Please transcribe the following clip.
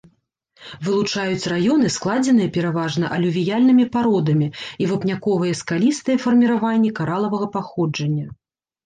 Вылучаюць раёны, складзеныя пераважна алювіяльнымі пародамі, і вапняковыя скалістыя фарміраванні каралавага паходжання.